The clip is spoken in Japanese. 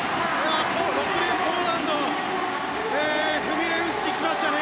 ６レーン、ポーランドのフミレウスキが来ましたね。